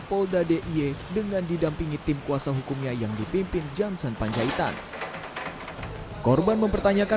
polda dia dengan didampingi tim kuasa hukumnya yang dipimpin johnson panjaitan korban mempertanyakan